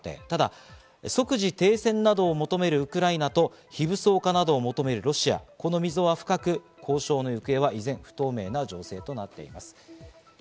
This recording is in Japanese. ただ、即時停戦などを求めるウクライナと非武装化などを求めるロシア、この溝は深く、交渉の行方は依然不透明な情勢となっています。